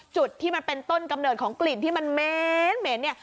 จุดที่มันเป็นต้นกำเนิดของกลิ่นที่มันเหม็นเนี่ย